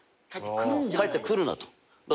帰ってくるなと。